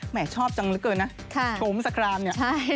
แหม่ชอบจังแล้วเกินนะโชมสครานเนี่ย